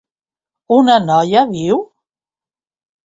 Una noia, diu?